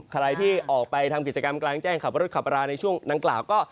ใครที่ออกไปทำกิจกรรมกลางแจ้งขับรถขับราในช่วงดังกล่าวก็